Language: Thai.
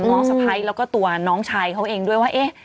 น้องสะพายแล้วก็ตัวน้องชายเขาเองด้วยว่า